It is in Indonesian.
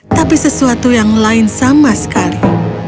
tapi sesuatu yang lain sama sekali